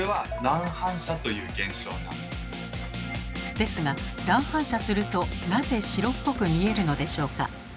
ですが乱反射するとなぜ白っぽく見えるのでしょうか。